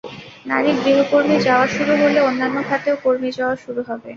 নারী গৃহকর্মী যাওয়া শুরু হলে অন্যান্য খাতেও কর্মী যাওয়া শুরু হবে।